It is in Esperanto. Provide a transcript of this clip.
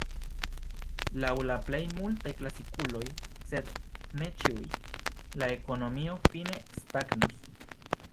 Laŭ la plej multaj klasikuloj, sed ne ĉiuj, la ekonomio fine stagnos.